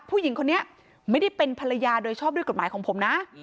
ผู้หญิงคนนี้ไม่ได้เป็นภรรยาโดยชอบด้วยกฎหมายของผมนะ